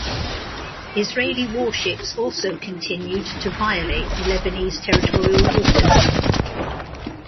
Israeli warships also continued to violate the Lebanese territorial waters.